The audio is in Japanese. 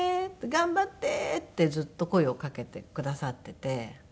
頑張って」ってずっと声をかけてくださっていて。